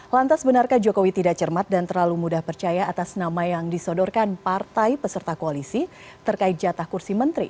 lantas benarkah jokowi tidak cermat dan terlalu mudah percaya atas nama yang disodorkan partai peserta koalisi terkait jatah kursi menteri